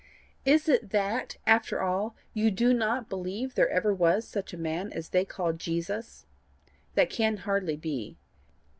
Is it that, after all, you do not believe there ever was such a man as they call Jesus? That can hardly be.